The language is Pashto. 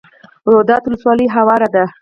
روداتو ولسوالۍ هواره ده؟